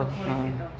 sepatu kulit gitu